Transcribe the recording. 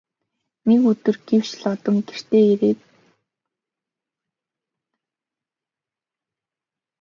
Нэг өдөр гэвш Лодон гэртээ ирээд байшингийн хаалгаа татвал дотроос түгжжээ.